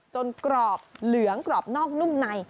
กรอบเหลืองกรอบนอกนุ่มใน